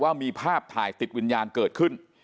ว่ามีภาพถ่ายติดวิญญาณเกิดขึ้น